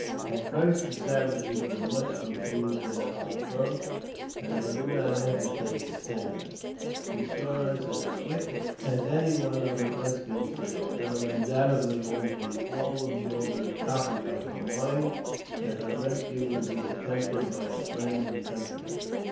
At first, the savages were much confused at our approach, and I do not hesitate to say that she saw us as quick as any one of the redskins did, for it undoubtedly was the all absorbing topic of her mind that her rescue would be attempted by her friends and countrymen.